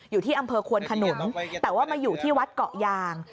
อยู่ที่อำเภอควนขนุนแต่ว่ามาอยู่ที่วัดเกาะยาง